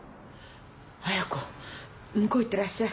絢子向こうへ行ってらっしゃい！